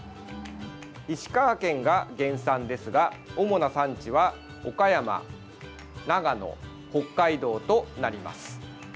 石川県が原産ですが主な産地は岡山、長野、北海道となります。